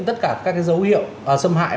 tất cả các cái dấu hiệu xâm hại